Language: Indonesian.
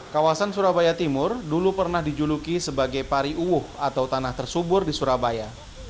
kawasan surabaya timur dulu pernah dijuluki sebagai pari uwuh atau tanah tersubur di surabaya